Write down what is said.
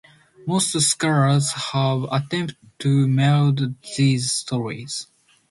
Most scholars have attempted to meld these stories.